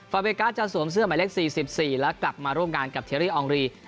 ฟาเบรการ์ดจะสวมเสื้อใหม่เล็ก๔๔และกลับมาร่วมงานกับเทรีย์อองรี